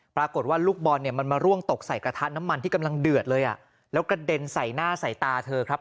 ปรากฏว่าลูกบอลเนี่ยมันมาร่วงตกใส่กระทะน้ำมันที่กำลังเดือดเลยอ่ะแล้วกระเด็นใส่หน้าใส่ตาเธอครับ